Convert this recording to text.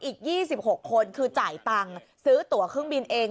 อีก๒๖คนคือจ่ายตังค์ซื้อตัวเครื่องบินเอง